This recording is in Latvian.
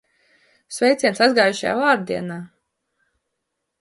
Sveiciens aizgājušajā vārda dienā!